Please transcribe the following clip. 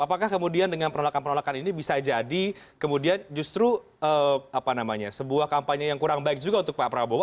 apakah kemudian dengan penolakan penolakan ini bisa jadi kemudian justru sebuah kampanye yang kurang baik juga untuk pak prabowo